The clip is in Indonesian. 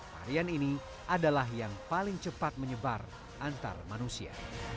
varian ini adalah yang paling cepat menyebar antar manusia